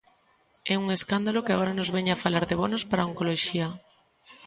É un escándalo que agora nos veña falar de bonos para oncoloxía.